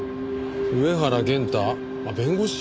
上原弦太弁護士？